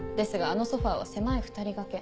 あのソファは狭い２人掛け。